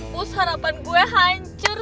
pus harapan gue hancur